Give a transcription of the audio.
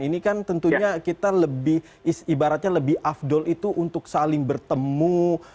ini kan tentunya kita lebih ibaratnya lebih afdol itu untuk saling bertemu